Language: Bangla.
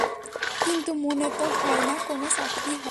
কিন্তু মনে তো হয় না কোনো চাকরি হবে।